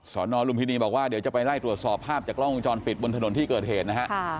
สอนอลุมพินีบอกว่าเดี๋ยวจะไปไล่ตรวจสอบภาพจากกล้องวงจรปิดบนถนนที่เกิดเหตุนะฮะ